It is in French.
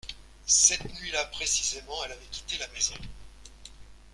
Cette nuit-là précisément elle avait quitté la maison.